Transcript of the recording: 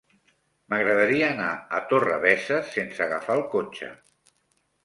M'agradaria anar a Torrebesses sense agafar el cotxe.